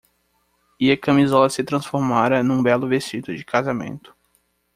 E a camisola se transformara num belo vestido de casamento.